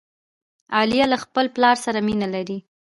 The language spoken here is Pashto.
عالیه له خپل پلار سره مینه لري.